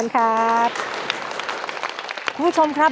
เชิญครับ